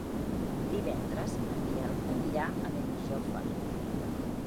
Divendres en Biel anirà a Benijòfar.